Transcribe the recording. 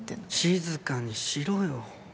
静かにしろよ。